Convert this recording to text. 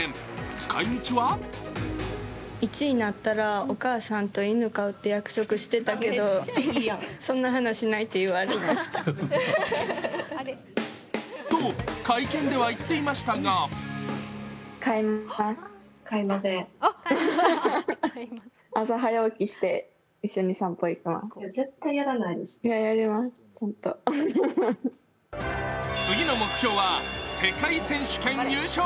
使い道は？と会見では言っていましたが次の目標は世界選手権優勝。